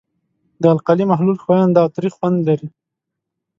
د القلي محلول ښوینده او تریخ خوند لري.